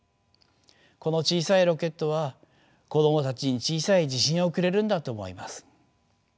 この小さいロケットは子どもたちに小さい自信をくれるんだと思います。